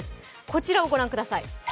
こちらをご覧ください。